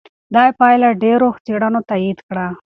دا پایله ډېرو څېړنو تایید کړه.